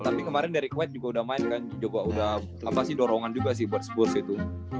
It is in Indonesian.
tapi kemarin dari quid juga udah main kan juga udah apa sih dorongan juga sih buat spurs itu